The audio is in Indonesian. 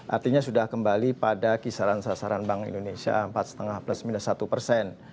artinya sudah kembali pada kisaran sasaran bank indonesia empat lima plus minus satu persen